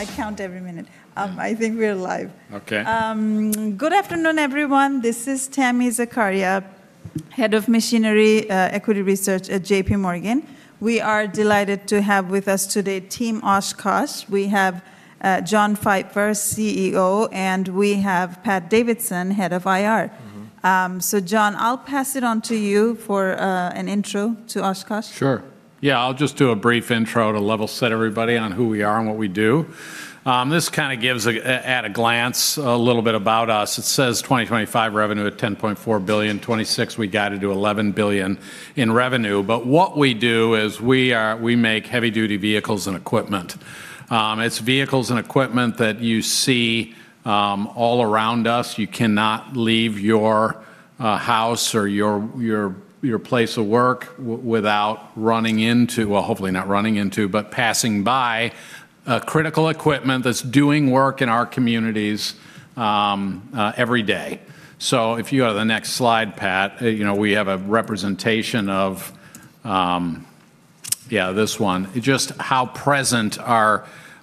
I count every minute. I think we're live. Okay. Good afternoon, everyone. This is Tami Zakaria, Head of Machinery Equity Research at JPMorgan. We are delighted to have with us today Team Oshkosh. We have John Pfeifer, CEO, and we have Pat Davidson, Head of IR. Mm-hmm. John, I'll pass it on to you for an intro to Oshkosh. Sure. Yeah, I'll just do a brief intro to level set everybody on who we are and what we do. This kinda gives at a glance a little bit about us. It says 2025 revenue at $10.4 billion. 2026, we got to do $11 billion in revenue. What we do is we are, we make heavy duty vehicles and equipment. It's vehicles and equipment that you see all around us. You cannot leave your house or your place of work without passing by critical equipment that's doing work in our communities every day. If you go to the next slide, Pat, you know, we have a representation of this one. Just how present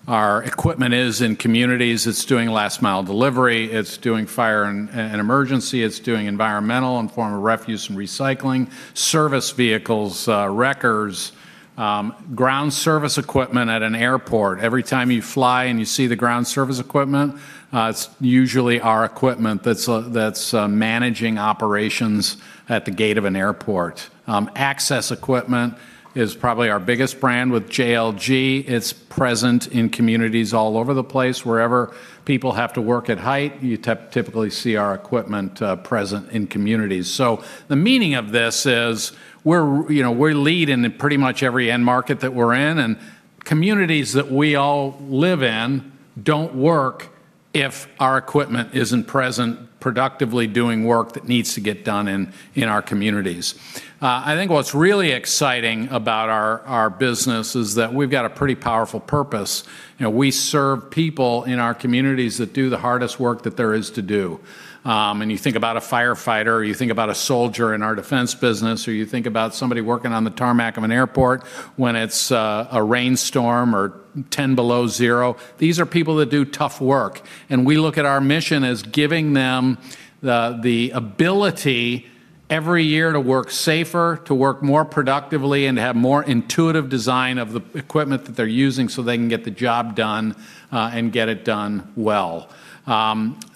our equipment is in communities. It's doing last mile delivery. It's doing fire and emergency. It's doing environmental in the form of refuse and recycling service vehicles, wreckers, ground support equipment at an airport. Every time you fly and you see the ground support equipment, it's usually our equipment that's managing operations at the gate of an airport. Access equipment is probably our biggest brand with JLG. It's present in communities all over the place. Wherever people have to work at height, you typically see our equipment present in communities. The meaning of this is we're, you know, we lead in pretty much every end market that we're in, and communities that we all live in don't work if our equipment isn't present productively doing work that needs to get done in our communities. I think what's really exciting about our business is that we've got a pretty powerful purpose. You know, we serve people in our communities that do the hardest work that there is to do. You think about a firefighter, or you think about a soldier in our defense business, or you think about somebody working on the tarmac of an airport when it's a rainstorm or 10 below zero. These are people that do tough work, and we look at our mission as giving them the ability every year to work safer, to work more productively, and to have more intuitive design of the equipment that they're using so they can get the job done and get it done well.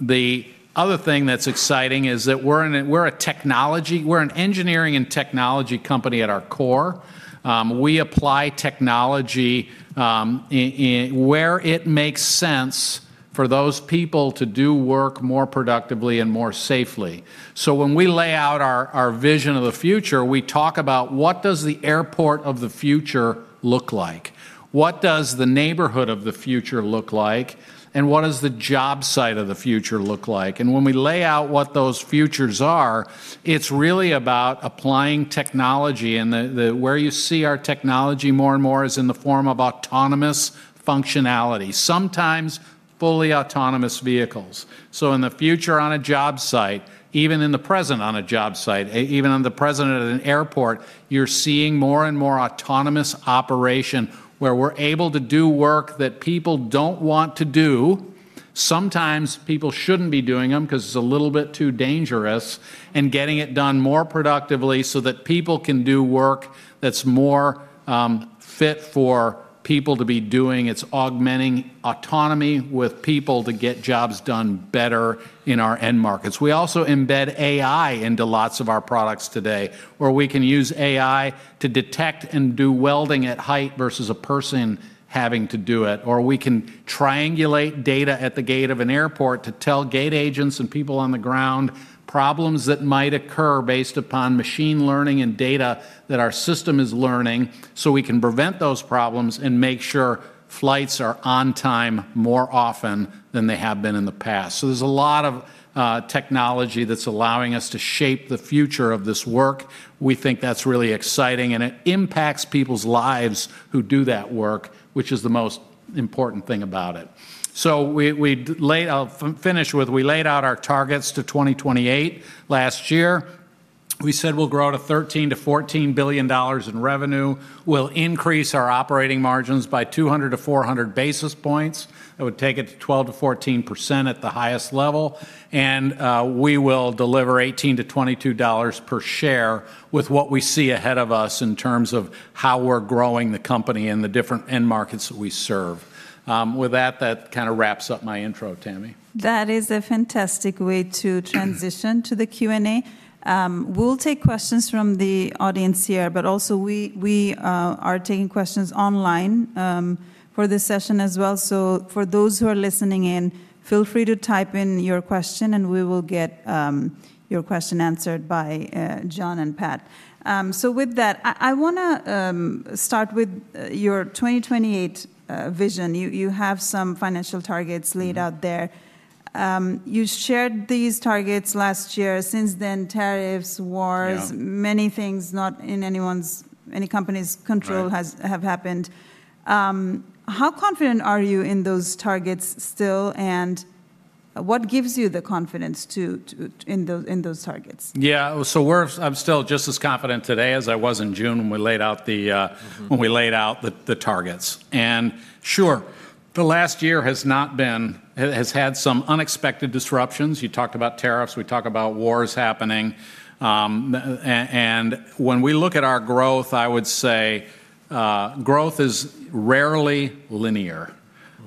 The other thing that's exciting is that we're an engineering and technology company at our core. We apply technology in where it makes sense for those people to do work more productively and more safely. When we lay out our vision of the future, we talk about what does the airport of the future look like? What does the neighborhood of the future look like? What does the job site of the future look like? When we lay out what those futures are, it's really about applying technology, and the where you see our technology more and more is in the form of autonomous functionality, sometimes fully autonomous vehicles. In the future on a job site, even in the present on a job site, even in the present at an airport, you're seeing more and more autonomous operation where we're able to do work that people don't want to do, sometimes people shouldn't be doing them 'cause it's a little bit too dangerous, and getting it done more productively so that people can do work that's more fit for people to be doing. It's augmenting autonomy with people to get jobs done better in our end markets. We also embed AI into lots of our products today, where we can use AI to detect and do welding at height versus a person having to do it. We can triangulate data at the gate of an airport to tell gate agents and people on the ground problems that might occur based upon machine learning and data that our system is learning, so we can prevent those problems and make sure flights are on time more often than they have been in the past. There's a lot of technology that's allowing us to shape the future of this work. We think that's really exciting, and it impacts people's lives who do that work, which is the most important thing about it. I'll finish with we laid out our targets to 2028 last year. We said we'll grow to $13 billion-$14 billion in revenue. We'll increase our operating margins by 200-400 basis points. That would take it to 12%-14% at the highest level. We will deliver $18-$22 per share with what we see ahead of us in terms of how we're growing the company and the different end markets that we serve. With that kinda wraps up my intro, Tami. That is a fantastic way to transition to the Q&A. We'll take questions from the audience here, but also we are taking questions online for this session as well. For those who are listening in, feel free to type in your question, and we will get your question answered by John and Pat. With that, I wanna start with your 2028 vision. You have some financial targets laid out there. You shared these targets last year. Since then, tariffs, wars? Yeah Many things not in anyone's, any company's control... Right ...have happened. How confident are you in those targets still? What gives you the confidence to in those targets? I'm still just as confident today as I was in June when we laid out the, when we laid out the targets. Sure, the last year has not been. It has had some unexpected disruptions. You talked about tariffs, we talk about wars happening. When we look at our growth, I would say, growth is rarely linear.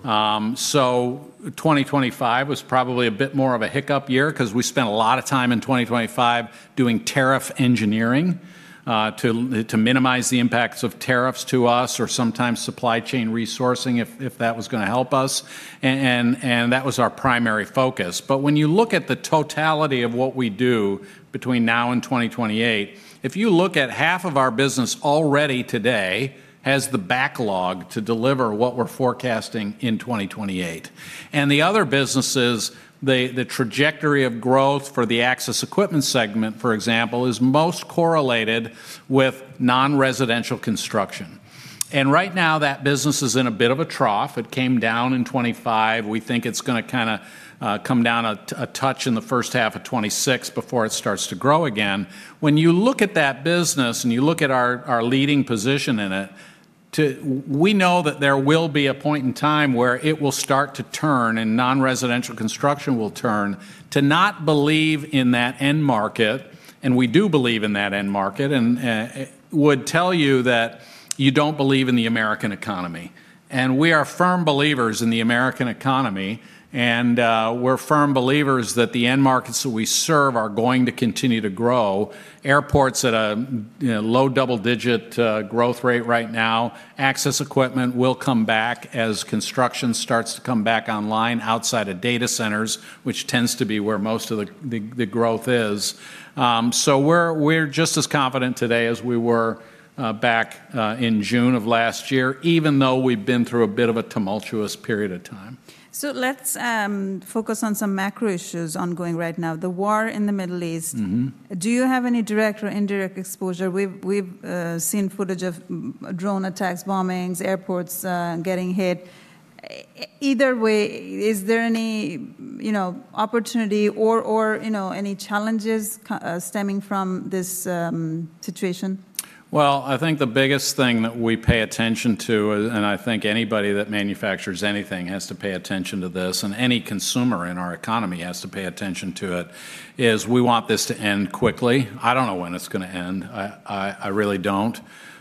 2025 was probably a bit more of a hiccup year 'cause we spent a lot of time in 2025 doing tariff engineering to minimize the impacts of tariffs to us or sometimes supply chain resourcing if that was gonna help us. That was our primary focus. When you look at the totality of what we do between now and 2028, if you look at half of our business already today has the backlog to deliver what we're forecasting in 2028. The other businesses, the trajectory of growth for the Access Equipment segment, for example, is most correlated with non-residential construction. Right now that business is in a bit of a trough. It came down in 2025. We think it's gonna come down a touch in the first half of 2026 before it starts to grow again. When you look at that business and you look at our leading position in it, we know that there will be a point in time where it will start to turn and non-residential construction will turn, too. To not believe in that end market, and we do believe in that end market, would tell you that you don't believe in the American economy. We are firm believers in the American economy, and we're firm believers that the end markets that we serve are going to continue to grow. Airports at a you know low double-digit growth rate right now. Access equipment will come back as construction starts to come back online outside of data centers, which tends to be where most of the growth is. We're just as confident today as we were back in June of last year, even though we've been through a bit of a tumultuous period of time. Let's focus on some macro issues ongoing right now, the war in the Middle East. Mm-hmm. Do you have any direct or indirect exposure? We've seen footage of drone attacks, bombings, airports getting hit. Either way, is there any, you know, opportunity or, you know, any challenges stemming from this situation? Well, I think the biggest thing that we pay attention to, and I think anybody that manufactures anything has to pay attention to this, and any consumer in our economy has to pay attention to it, is we want this to end quickly. I don't know when it's gonna end. I really don't.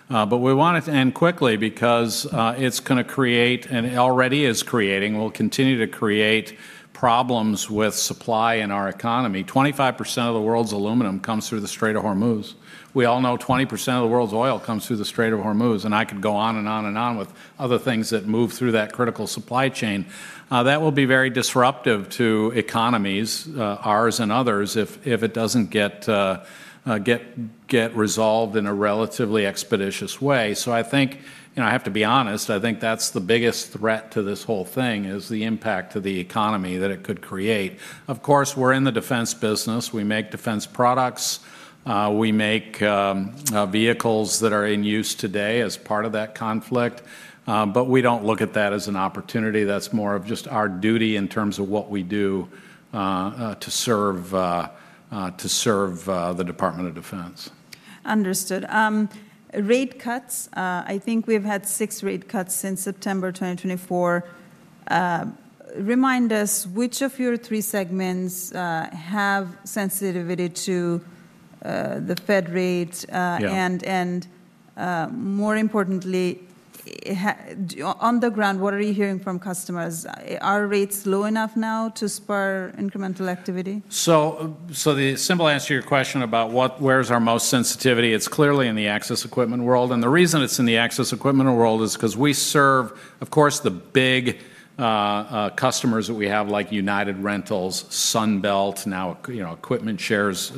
We want it to end quickly because it's gonna create and already is creating, will continue to create problems with supply in our economy. 25% of the world's aluminum comes through the Strait of Hormuz. We all know 20% of the world's oil comes through the Strait of Hormuz, and I could go on and on and on with other things that move through that critical supply chain. That will be very disruptive to economies, ours and others, if it doesn't get resolved in a relatively expeditious way. I think, you know, I have to be honest, I think that's the biggest threat to this whole thing, is the impact to the economy that it could create. Of course, we're in the defense business. We make defense products. We make vehicles that are in use today as part of that conflict. We don't look at that as an opportunity. That's more of just our duty in terms of what we do to serve the Department of Defense. Understood. Rate cuts, I think we've had six rate cuts since September 2024. Remind us which of your three segments have sensitivity to the fed rate? Yeah More importantly, on the ground, what are you hearing from customers? Are rates low enough now to spur incremental activity? The simple answer to your question about where's our most sensitivity, it's clearly in the access equipment world. The reason it's in the access equipment world is 'cause we serve, of course, the big customers that we have, like United Rentals, Sunbelt, now, you know, EquipmentShare's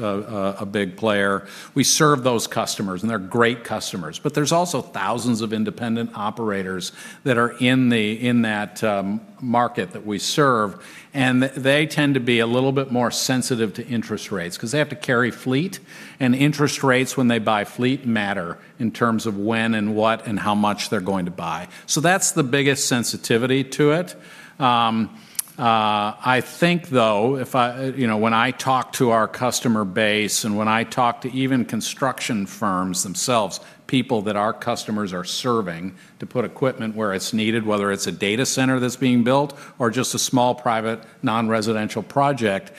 a big player. We serve those customers, and they're great customers, but there's also thousands of independent operators that are in that market that we serve. They tend to be a little bit more sensitive to interest rates 'cause they have to carry fleet. Interest rates when they buy fleet matter in terms of when and what and how much they're going to buy. That's the biggest sensitivity to it. I think though, if I, you know, when I talk to our customer base and when I talk to even construction firms themselves, people that our customers are serving to put equipment where it's needed, whether it's a data center that's being built or just a small private non-residential project,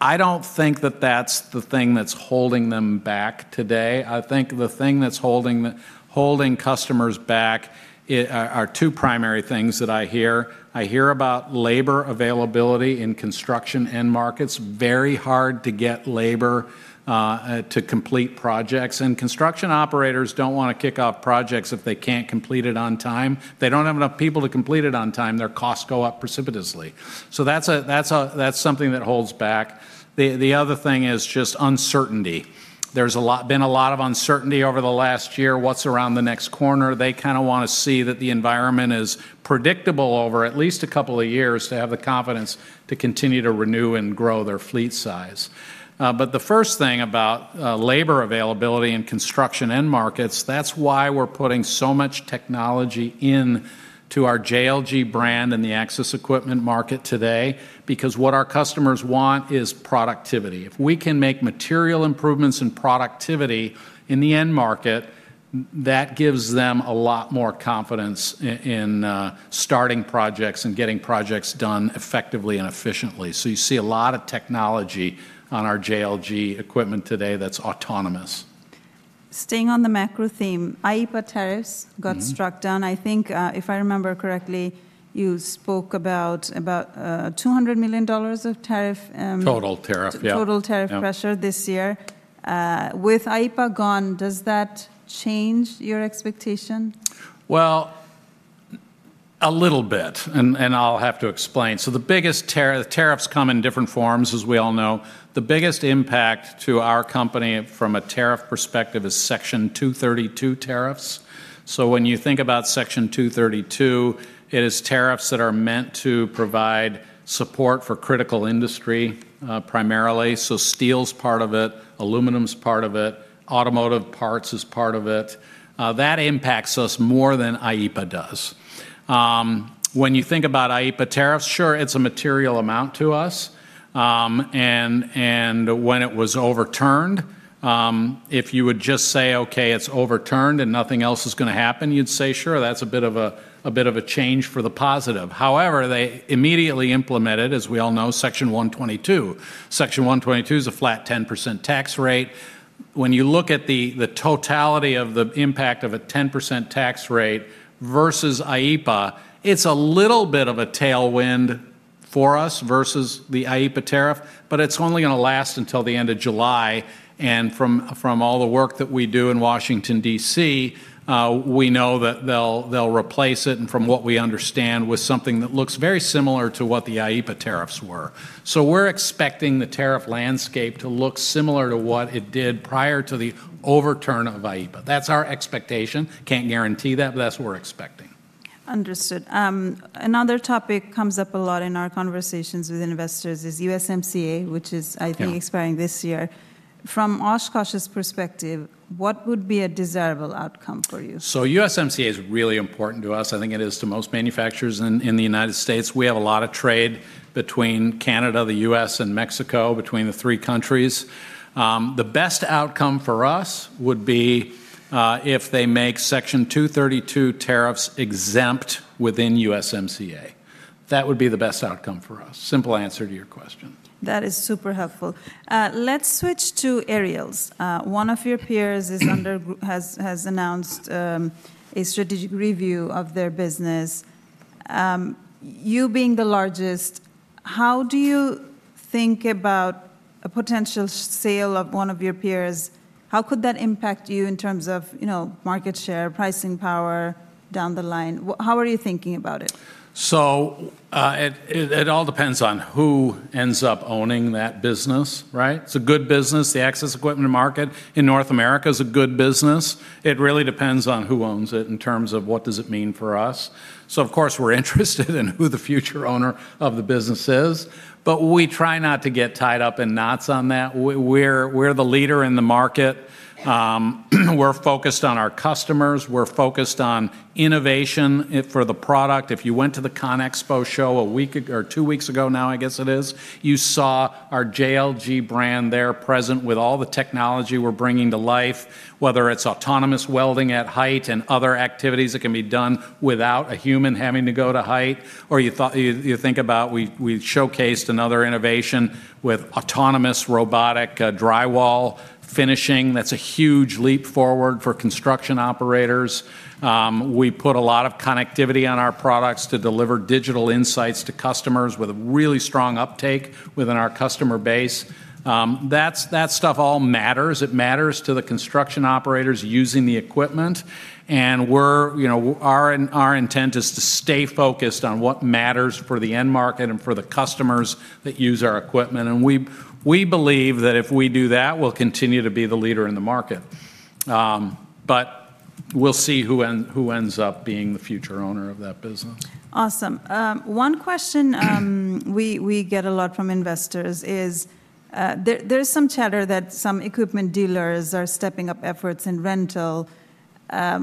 I don't think that that's the thing that's holding them back today. I think the thing that's holding customers back are two primary things that I hear. I hear about labor availability in construction end markets. Very hard to get labor to complete projects. Construction operators don't wanna kick off projects if they can't complete it on time. If they don't have enough people to complete it on time, their costs go up precipitously. That's something that holds back. The other thing is just uncertainty. There's been a lot of uncertainty over the last year. What's around the next corner? They kinda wanna see that the environment is predictable over at least a couple of years to have the confidence to continue to renew and grow their fleet size. But the first thing about labor availability and construction end markets, that's why we're putting so much technology into our JLG brand and the access equipment market today, because what our customers want is productivity. If we can make material improvements in productivity in the end market, that gives them a lot more confidence in starting projects and getting projects done effectively and efficiently. You see a lot of technology on our JLG equipment today that's autonomous. Staying on the macro theme, IEEPA tariffs? Mm-hmm Got struck down. I think, if I remember correctly, you spoke about $200 million of tariff. Total tariff, yeah. Total tariff pressure. Yeah This year. With IEEPA gone, does that change your expectation? Well, a little bit, and I'll have to explain. The biggest tariff. Tariffs come in different forms, as we all know. The biggest impact to our company from a tariff perspective is Section 232 tariffs. When you think about Section 232, it is tariffs that are meant to provide support for critical industry, primarily. Steel's part of it, aluminum's part of it, automotive parts is part of it. That impacts us more than IEEPA does. When you think about IEEPA tariffs, sure, it's a material amount to us. When it was overturned, if you would just say, "Okay, it's overturned and nothing else is gonna happen," you'd say, "Sure, that's a bit of a change for the positive." However, they immediately implemented, as we all know, Section 122. Section 122 is a flat 10% tax rate. When you look at the totality of the impact of a 10% tax rate versus IEEPA, it's a little bit of a tailwind for us versus the IEEPA tariff, but it's only gonna last until the end of July. From all the work that we do in Washington, D.C., we know that they'll replace it, and from what we understand, with something that looks very similar to what the IEEPA tariffs were. We're expecting the tariff landscape to look similar to what it did prior to the overturn of IEEPA. That's our expectation. Can't guarantee that, but that's what we're expecting. Understood. Another topic comes up a lot in our conversations with investors is USMCA, which is, I think. Yeah Expiring this year. From Oshkosh's perspective, what would be a desirable outcome for you? USMCA is really important to us. I think it is to most manufacturers in the United States. We have a lot of trade between Canada, the U.S., and Mexico, between the three countries. The best outcome for us would be if they make Section 232 tariffs exempt within USMCA. That would be the best outcome for us. Simple answer to your question. That is super helpful. Let's switch to aerials. One of your peers has announced a strategic review of their business. You being the largest, how do you think about a potential sale of one of your peers? How could that impact you in terms of, you know, market share, pricing power down the line? How are you thinking about it? It all depends on who ends up owning that business, right? It's a good business. The access equipment market in North America is a good business. It really depends on who owns it in terms of what does it mean for us. Of course, we're interested in who the future owner of the business is. We try not to get tied up in knots on that. We're the leader in the market. We're focused on our customers. We're focused on innovation for the product. If you went to the CONEXPO show a week or two weeks ago now, I guess it is, you saw our JLG brand there present with all the technology we're bringing to life, whether it's autonomous welding at height and other activities that can be done without a human having to go to height, or you think about, we've showcased another innovation with autonomous robotic drywall finishing. That's a huge leap forward for construction operators. We put a lot of connectivity on our products to deliver digital insights to customers with a really strong uptake within our customer base. That stuff all matters. It matters to the construction operators using the equipment and we're, you know, our intent is to stay focused on what matters for the end market and for the customers that use our equipment, and we believe that if we do that, we'll continue to be the leader in the market. We'll see who ends up being the future owner of that business. Awesome. One question we get a lot from investors is there's some chatter that some equipment dealers are stepping up efforts in rental.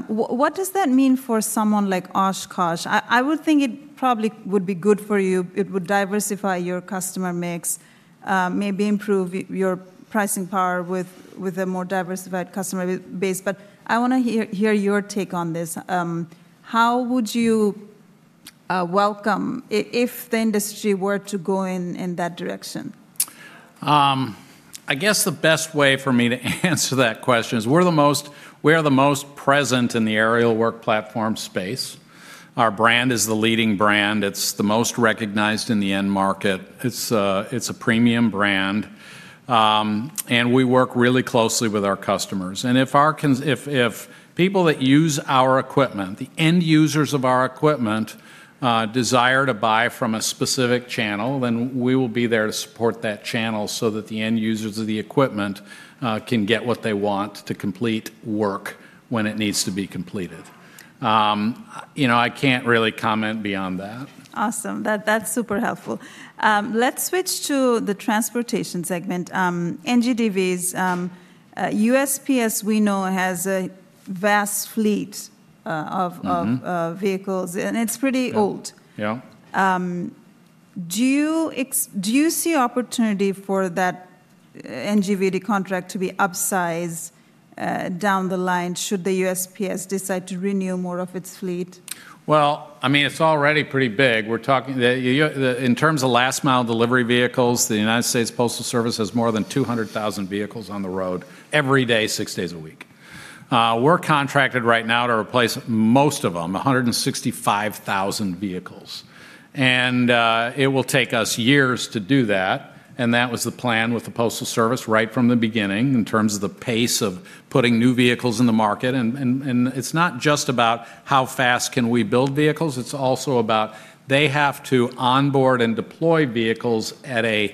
What does that mean for someone like Oshkosh? I would think it probably would be good for you. It would diversify your customer mix, maybe improve your pricing power with a more diversified customer base. I wanna hear your take on this. How would you welcome if the industry were to go in that direction? I guess the best way for me to answer that question is we are the most present in the aerial work platform space. Our brand is the leading brand. It's the most recognized in the end market. It's a premium brand. We work really closely with our customers. If people that use our equipment, the end users of our equipment, desire to buy from a specific channel, then we will be there to support that channel so that the end users of the equipment can get what they want to complete work when it needs to be completed. You know, I can't really comment beyond that. Awesome. That's super helpful. Let's switch to the transportation segment. NGDVs, USPS, we know, has a vast fleet of... Mm-hmm ...of, vehicles, and it's pretty old. Yeah. Do you see opportunity for that NGDV contract to be upsized down the line should the USPS decide to renew more of its fleet? Well, I mean, it's already pretty big. We're talking in terms of last-mile delivery vehicles, the United States Postal Service has more than 200,000 vehicles on the road every day, six days a week. We're contracted right now to replace most of them, 165,000 vehicles. It will take us years to do that, and that was the plan with the Postal Service right from the beginning in terms of the pace of putting new vehicles in the market. It's not just about how fast can we build vehicles, it's also about they have to onboard and deploy vehicles at a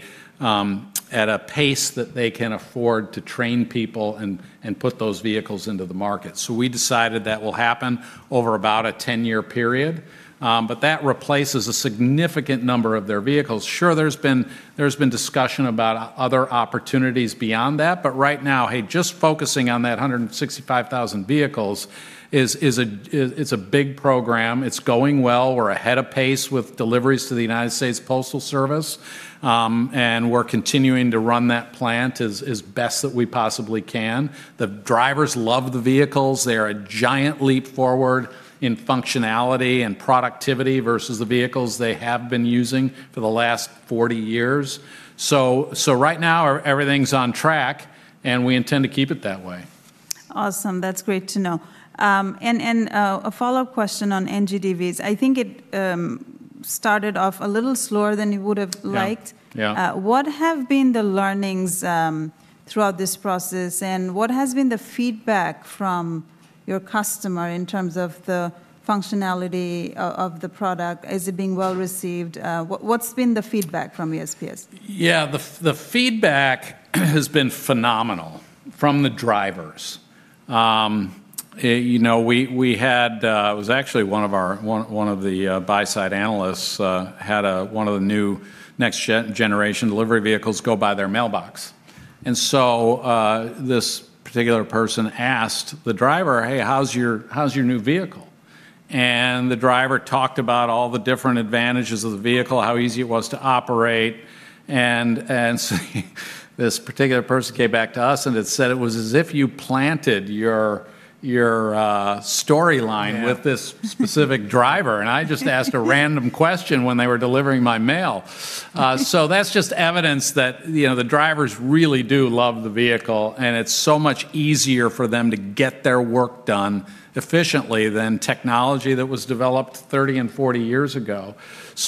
pace that they can afford to train people and put those vehicles into the market. We decided that will happen over about a 10-year period. That replaces a significant number of their vehicles. Sure there's been discussion about other opportunities beyond that, but right now, hey, just focusing on that 165,000 vehicles is a big program. It's going well. We're ahead of pace with deliveries to the United States Postal Service. We're continuing to run that plant as best that we possibly can. The drivers love the vehicles. They're a giant leap forward in functionality and productivity versus the vehicles they have been using for the last 40 years. Right now everything's on track, and we intend to keep it that way. Awesome. That's great to know. A follow-up question on NGDVs. I think it started off a little slower than you would have liked? Yeah, yeah. What have been the learnings throughout this process, and what has been the feedback from your customer in terms of the functionality of the product? Is it being well-received? What's been the feedback from USPS? Yeah. The feedback has been phenomenal from the drivers. You know, it was actually one of our buy-side analysts had one of the new Next Generation Delivery Vehicles go by their mailbox. This particular person asked the driver, "Hey, how's your new vehicle?" The driver talked about all the different advantages of the vehicle, how easy it was to operate. This particular person came back to us and had said, "It was as if you planted your storyline with this specific driver, and I just asked a random question when they were delivering my mail. That's just evidence that, you know, the drivers really do love the vehicle, and it's so much easier for them to get their work done efficiently than technology that was developed 30 and 40 years ago.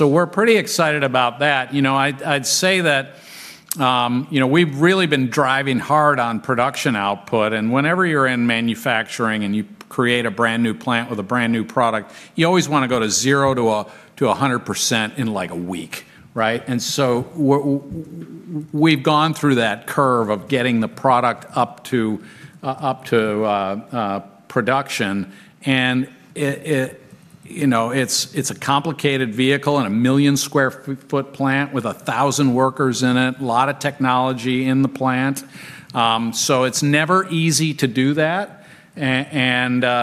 We're pretty excited about that. You know, I'd say that, you know, we've really been driving hard on production output. Whenever you're in manufacturing and you create a brand-new plant with a brand-new product, you always wanna go to 0% to 100% in, like, a week, right? We've gone through that curve of getting the product up to production. You know, it's a complicated vehicle and a 1 million sq ft plant with 1,000 workers in it, a lot of technology in the plant. It's never easy to do that.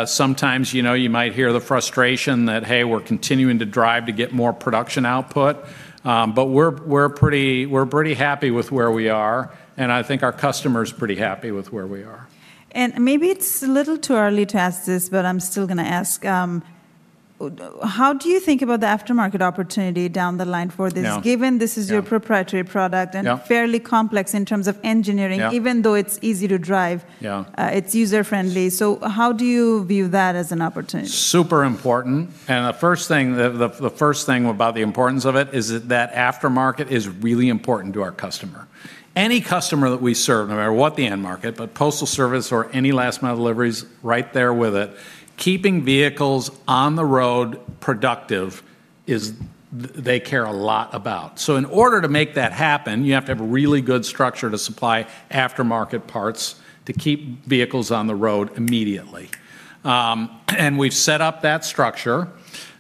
Sometimes, you know, you might hear the frustration that, hey, we're continuing to drive to get more production output. We're pretty happy with where we are, and I think our customer's pretty happy with where we are. Maybe it's a little too early to ask this, but I'm still gonna ask. How do you think about the aftermarket opportunity down the line for this? Yeah. Given this is your proprietary product. Yeah. And fairly complex in terms of engineering. Yeah Even though it's easy to drive. Yeah It's user-friendly, so how do you view that as an opportunity? Super important. The first thing about the importance of it is that aftermarket is really important to our customer. Any customer that we serve, no matter what the end market, but postal service or any last mile deliveries right there with it, keeping vehicles on the road productive is they care a lot about. In order to make that happen, you have to have a really good structure to supply aftermarket parts to keep vehicles on the road immediately. We've set up that structure.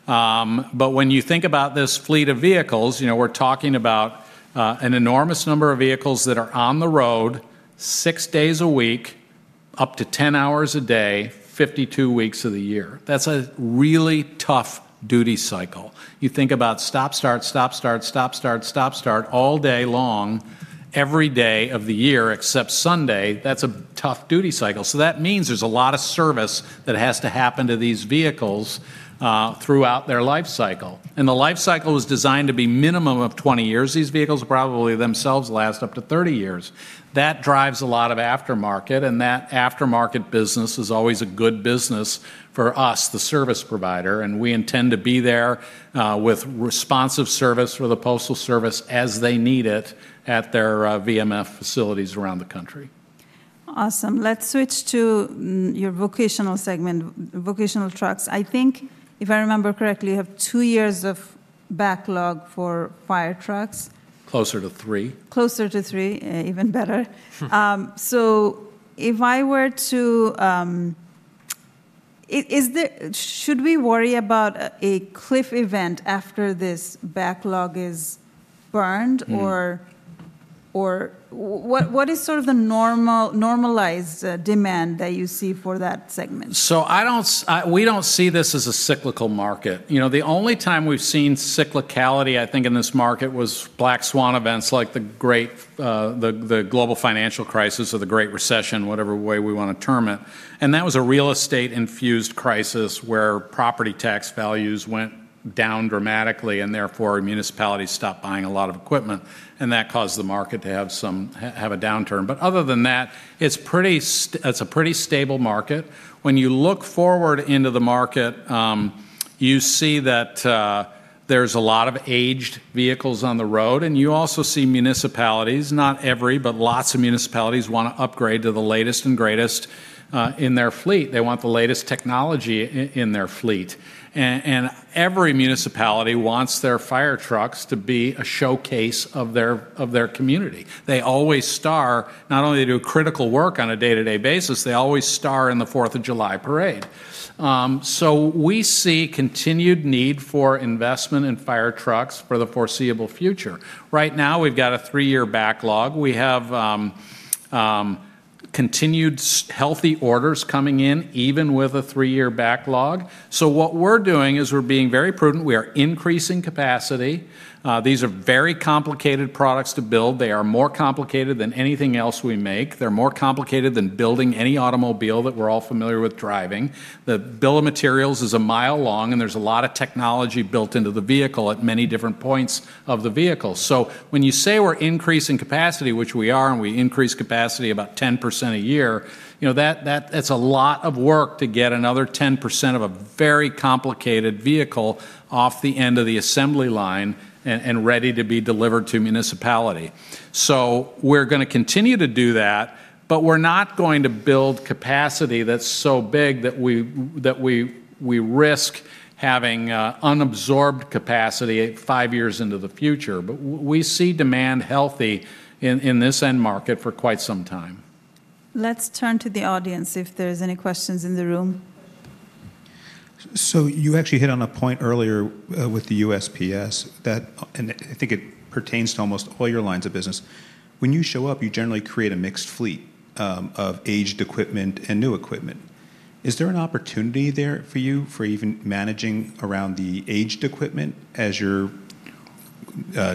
When you think about this fleet of vehicles, you know, we're talking about an enormous number of vehicles that are on the road six days a week, up to 10 hours a day, 52 weeks of the year. That's a really tough duty cycle. You think about stop, start, stop, start, stop, start, stop, start all day long, every day of the year except Sunday. That's a tough duty cycle. That means there's a lot of service that has to happen to these vehicles throughout their life cycle, and the life cycle is designed to be minimum of 20 years. These vehicles probably themselves last up to 30 years. That drives a lot of aftermarket, and that aftermarket business is always a good business for us, the service provider, and we intend to be there with responsive service for the Postal Service as they need it at their VMF facilities around the country. Awesome. Let's switch to your vocational segment, vocational trucks. I think if I remember correctly, you have two years of backlog for fire apparatus? Closer to three. Closer to three. Even better. If I were to, should we worry about a cliff event after this backlog is burned? Mm-hmm What is sort of the normalized demand that you see for that segment? We don't see this as a cyclical market. You know, the only time we've seen cyclicality, I think, in this market was black swan events like the great global financial crisis or The Great Recession, whatever way we wanna term it. That was a real estate infused crisis where property tax values went down dramatically, and therefore municipalities stopped buying a lot of equipment, and that caused the market to have some have a downturn. Other than that, it's a pretty stable market. When you look forward into the market, you see that, there's a lot of aged vehicles on the road, and you also see municipalities, not every, but lots of municipalities wanna upgrade to the latest and greatest in their fleet. They want the latest technology in their fleet. Every municipality wants their fire apparatus to be a showcase of their community. They always star in the Fourth of July parade. Not only they do critical work on a day-to-day basis, they always star in the Fourth of July parade. We see continued need for investment in fire apparatus for the foreseeable future. Right now we've got a three-year backlog. We have continued healthy orders coming in even with a three-year backlog. What we're doing is we're being very prudent. We are increasing capacity. These are very complicated products to build. They are more complicated than anything else we make. They're more complicated than building any automobile that we're all familiar with driving. The bill of materials is a mile long, and there's a lot of technology built into the vehicle at many different points of the vehicle. When you say we're increasing capacity, which we are, and we increase capacity about 10% a year, you know, that's a lot of work to get another 10% of a very complicated vehicle off the end of the assembly line and ready to be delivered to municipality. We're gonna continue to do that, but we're not going to build capacity that's so big that we risk having unabsorbed capacity five years into the future. We see demand healthy in this end market for quite some time. Let's turn to the audience if there's any questions in the room. You actually hit on a point earlier with the USPS, and I think it pertains to almost all your lines of business. When you show up, you generally create a mixed fleet of aged equipment and new equipment. Is there an opportunity there for you for even managing around the aged equipment as you're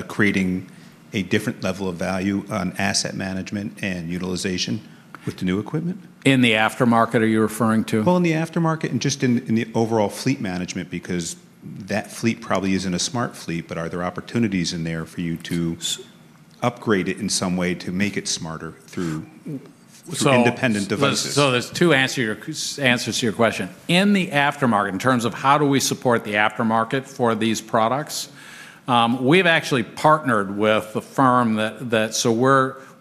creating a different level of value on asset management and utilization with the new equipment? In the aftermarket are you referring to? Well, in the aftermarket and just in the overall fleet management because that fleet probably isn't a smart fleet. Are there opportunities in there for you to upgrade it in some way to make it smarter through.. So... ...independent devices? There's two answers to your question. In the aftermarket, in terms of how do we support the aftermarket for these products,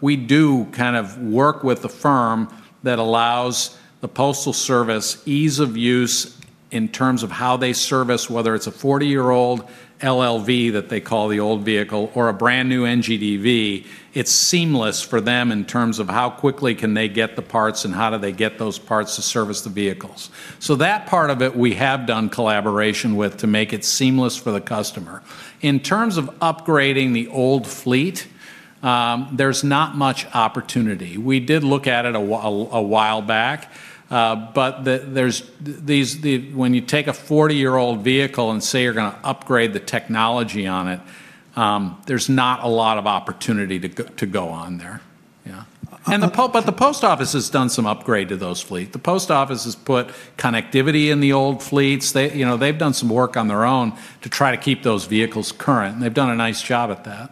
we do kind of work with the firm that allows the Postal Service ease of use in terms of how they service, whether it's a 40-year-old LLV that they call the old vehicle or a brand-new NGDV, it's seamless for them in terms of how quickly can they get the parts and how do they get those parts to service the vehicles. That part of it we have done collaboration with to make it seamless for the customer. In terms of upgrading the old fleet, there's not much opportunity. We did look at it a while back. When you take a 40-year-old vehicle and say you're gonna upgrade the technology on it, there's not a lot of opportunity to go on there. Yeah. The Post Office has done some upgrade to those fleet. The Post Office has put connectivity in the old fleets. They, you know, they've done some work on their own to try to keep those vehicles current, and they've done a nice job at that.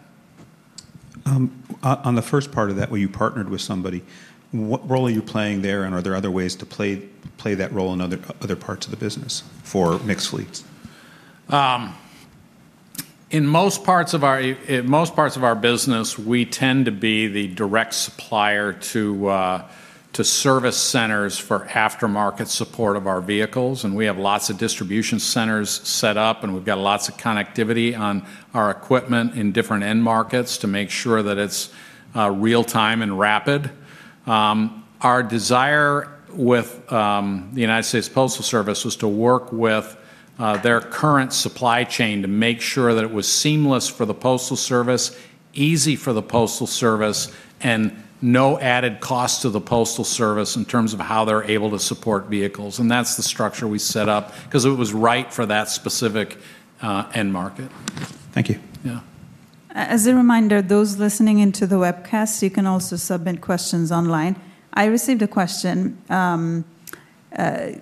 On the first part of that, where you partnered with somebody, what role are you playing there, and are there other ways to play that role in other parts of the business for mixed fleets? In most parts of our business, we tend to be the direct supplier to service centers for aftermarket support of our vehicles, and we have lots of distribution centers set up, and we've got lots of connectivity on our equipment in different end markets to make sure that it's real-time and rapid. Our desire with the United States Postal Service was to work with their current supply chain to make sure that it was seamless for the Postal Service, easy for the Postal Service, and no added cost to the Postal Service in terms of how they're able to support vehicles, and that's the structure we set up 'cause it was right for that specific end market. Thank you. Yeah. As a reminder, those listening in to the webcast, you can also submit questions online. I received a question.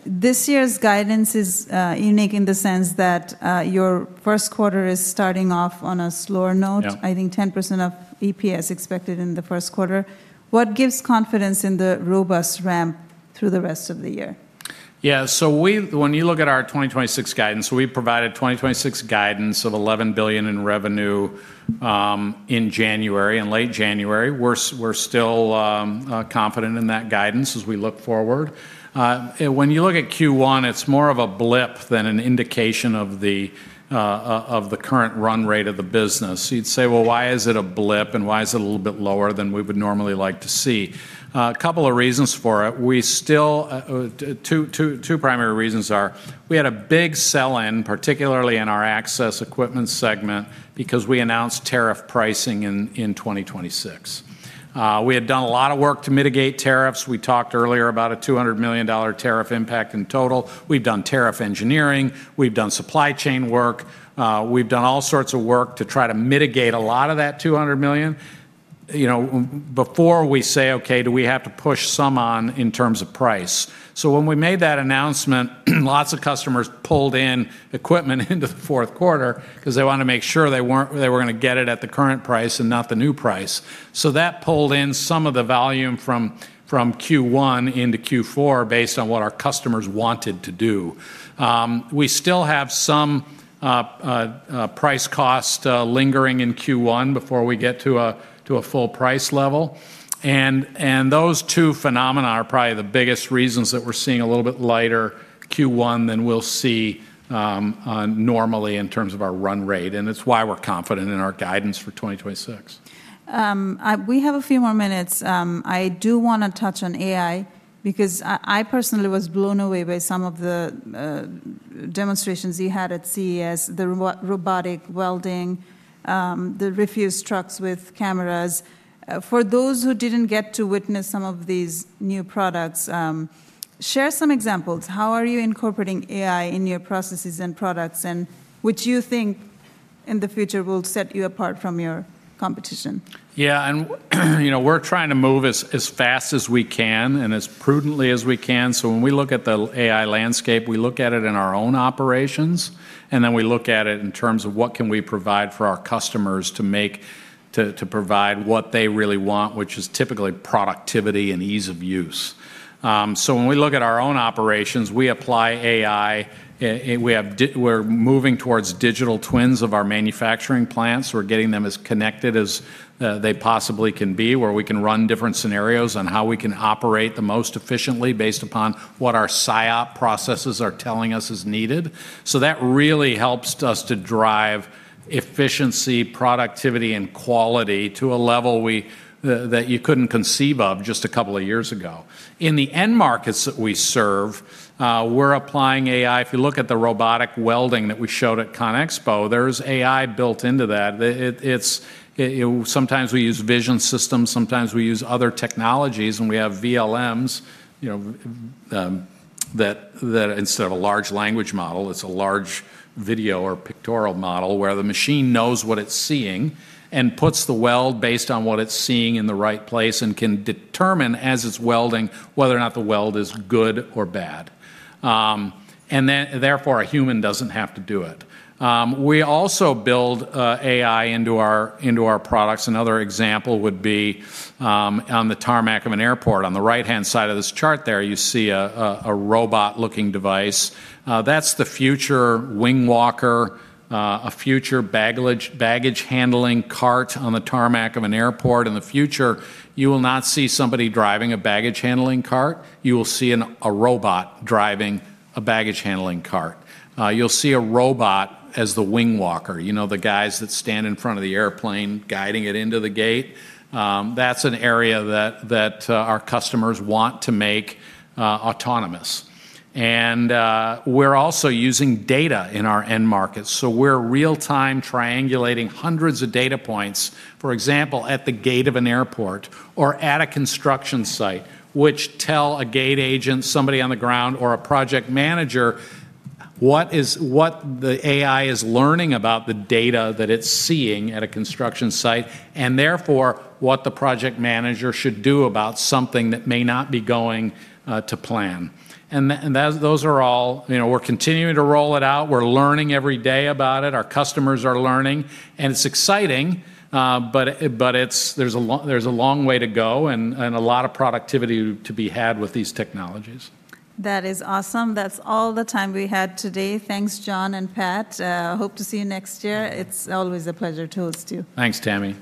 This year's guidance is unique in the sense that your first quarter is starting off on a slower note. Yeah. I think 10% of EPS expected in the first quarter. What gives confidence in the robust ramp through the rest of the year? When you look at our 2026 guidance, we've provided 2026 guidance of $11 billion in revenue, in January, in late January. We're still confident in that guidance as we look forward. When you look at Q1, it's more of a blip than an indication of the current run rate of the business. You'd say, "Well, why is it a blip, and why is it a little bit lower than we would normally like to see?" A couple of reasons for it. Two primary reasons are we had a big sell-in, particularly in our Access Equipment segment, because we announced tariff pricing in 2026. We had done a lot of work to mitigate tariffs. We talked earlier about a $200 million tariff impact in total. We've done tariff engineering. We've done supply chain work. We've done all sorts of work to try to mitigate a lot of that $200 million. You know, before we say, okay, do we have to push some on in terms of price? When we made that announcement, lots of customers pulled in equipment into the fourth quarter because they wanted to make sure they were gonna get it at the current price and not the new price. That pulled in some of the volume from Q1 into Q4 based on what our customers wanted to do. We still have some price cost lingering in Q1 before we get to a full price level. Those two phenomena are probably the biggest reasons that we're seeing a little bit lighter Q1 than we'll see normally in terms of our run rate, and it's why we're confident in our guidance for 2026. We have a few more minutes. I do wanna touch on AI because I personally was blown away by some of the demonstrations you had at CONEXPO, the robotic welding, the refuse trucks with cameras. For those who didn't get to witness some of these new products, share some examples. How are you incorporating AI in your processes and products, and which do you think in the future will set you apart from your competition? Yeah. You know, we're trying to move as fast as we can and as prudently as we can. When we look at the AI landscape, we look at it in our own operations, and then we look at it in terms of what can we provide for our customers to provide what they really want, which is typically productivity and ease of use. When we look at our own operations, we apply AI. We're moving towards digital twins of our manufacturing plants. We're getting them as connected as they possibly can be, where we can run different scenarios on how we can operate the most efficiently based upon what our SIOP processes are telling us is needed. That really helps us to drive efficiency, productivity, and quality to a level that you couldn't conceive of just a couple of years ago. In the end markets that we serve, we're applying AI. If you look at the robotic welding that we showed at CONEXPO, there's AI built into that. Sometimes we use vision systems, sometimes we use other technologies when we have VLMs, you know, that instead of a large language model, it's a large video or pictorial model where the machine knows what it's seeing and puts the weld based on what it's seeing in the right place and can determine, as it's welding, whether or not the weld is good or bad. Therefore, a human doesn't have to do it. We also build AI into our products. Another example would be on the tarmac of an airport. On the right-hand side of this chart there, you see a robot-looking device. That's the future wing walker, a future baggage handling cart on the tarmac of an airport. In the future, you will not see somebody driving a baggage handling cart, you will see a robot driving a baggage handling cart. You'll see a robot as the wing walker. You know, the guys that stand in front of the airplane guiding it into the gate. That's an area that our customers want to make autonomous. We're also using data in our end markets. We're real-time triangulating hundreds of data points, for example, at the gate of an airport or at a construction site, which tell a gate agent, somebody on the ground or a project manager what the AI is learning about the data that it's seeing at a construction site, and therefore, what the project manager should do about something that may not be going to plan. Those are all. You know, we're continuing to roll it out. We're learning every day about it. Our customers are learning, and it's exciting, but there's a long way to go and a lot of productivity to be had with these technologies. That is awesome. That's all the time we had today. Thanks, John and Pat. Hope to see you next year. It's always a pleasure to host you. Thanks, Tami.